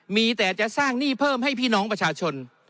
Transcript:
มีแต่จะสร้างหนี้เพิ่มให้พี่น้องประชาชน